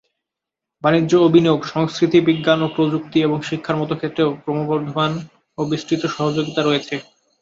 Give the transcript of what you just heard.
বাণিজ্য ও বিনিয়োগ, সংস্কৃতি, বিজ্ঞান ও প্রযুক্তি এবং শিক্ষার মতো ক্ষেত্রেও ক্রমবর্ধমান ও বিস্তৃত সহযোগিতা রয়েছে।